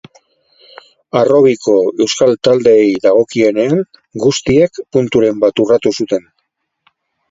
Harrobiko euskal taldeei dagokienean guztiek punturen bat urratu zuten.